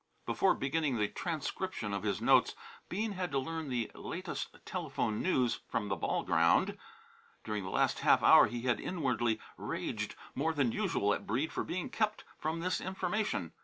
Before beginning the transcription of his notes, Bean had to learn the latest telephone news from the ball ground. During the last half hour he had inwardly raged more than usual at Breede for being kept from this information.